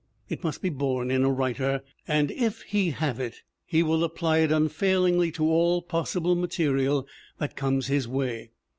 It must be born in a writer and if he have it he will apply it unfailingly to all possible material that comes his way.